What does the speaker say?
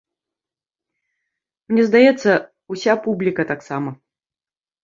Мне, здаецца, уся публіка таксама.